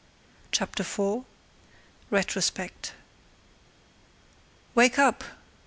CHAPTER IV Retrospect "Wake up!"